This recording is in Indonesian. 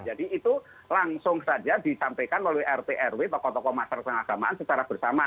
jadi itu langsung saja disampaikan oleh rt rw tokoh tokoh masyarakat dan agama secara bersama